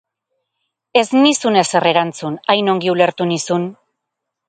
Ez nizun ezer erantzun, hain ongi ulertu nizun.